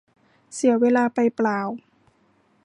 เสียเวลาไปเปล่า